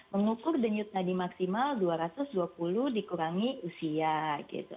mengukur denyut nadi maksimal dua ratus dua puluh dikurangi usia gitu